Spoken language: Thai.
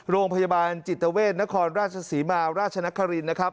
โรงพยาบาลจิตเวทนครราชศรีมาราชนครินนะครับ